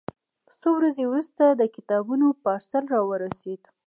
څو ورځې وروسته د کتابونو پارسل راورسېد.